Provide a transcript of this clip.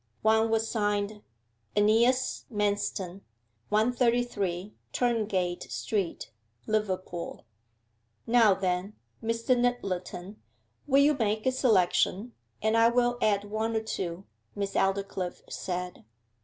One was signed AENEAS MANSTON, 133, TURNGATE STREET, LIVERPOOL. 'Now, then, Mr. Nyttleton, will you make a selection, and I will add one or two,' Miss Aldclyffe said.